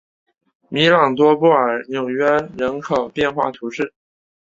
米朗多布尔纽纳人口变化图示